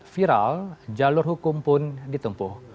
viral jalur hukum pun ditempuh